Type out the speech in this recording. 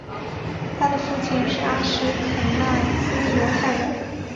他的父亲是阿什肯纳兹犹太人。